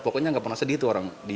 pokoknya nggak pernah sedih tuh orang